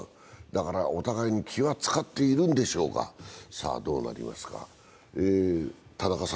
だからお互いに気は使っているんでしょうが、さあどうなりますか。